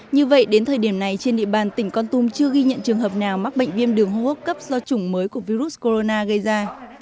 như vậy đến thời điểm này trên địa bàn tỉnh con tum chưa ghi nhận trường hợp nào mắc bệnh viêm đường hô hấp cấp do chủng mới của virus corona gây ra